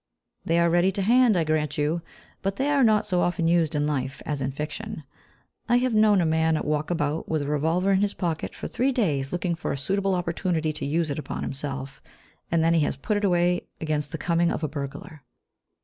They are ready to hand, I grant you, but they are not so often used in life as in fiction. I have known a man walk about, with a revolver in his pocket, for three days, looking for a suitable opportunity to use it upon himself, and then he has put it away against the coming of a burglar.